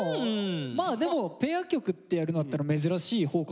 まあでもペア曲ってやるのだったら珍しいほうかな。